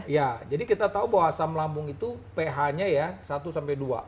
ya jadi kita tahu bahwa asam lambung itu ph nya ya satu sampai dua